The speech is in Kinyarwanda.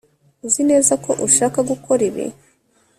uzi neza ko ushaka gukora ibi